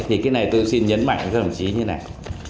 thì cái này tôi xin nhấn mạnh cho đồng chí như này